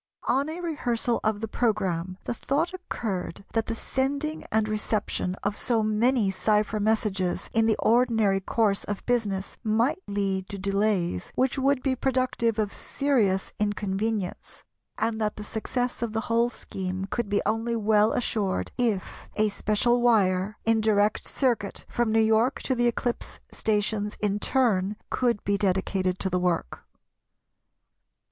On a rehearsal of the programme the thought occurred that the sending and reception of so many cypher messages in the ordinary course of business might lead to delays which would be productive of serious inconvenience, and that the success of the whole scheme could be only well assured if a special wire, in direct circuit from New York to the eclipse stations in turn, could be dedicated to the work.